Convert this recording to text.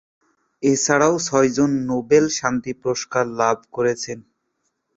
এছাড়াও ছয়জন নোবেল শান্তি পুরস্কার লাভ করেছেন।